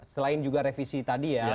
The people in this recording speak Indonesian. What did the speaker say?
selain juga revisi tadi ya